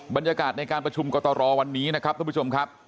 บรรยากาศในการประชุมกตรวันนี้นะครับท่านผู้ชมครับ